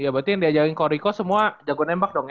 iya berarti yang diajakin kok rico semua jago nembak dong ya